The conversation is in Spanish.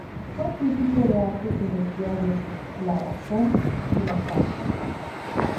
Fue crítico de arte en los diarios "La Razón" y "La Fronda.